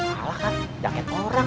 malah kan jaket orang